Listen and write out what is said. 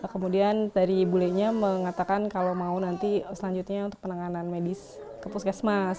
kemudian dari bule nya mengatakan kalau mau nanti selanjutnya untuk penanganan medis ke puskesmas